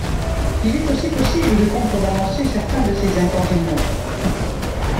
Il est aussi possible de contrebalancer certains de ces inconvénients.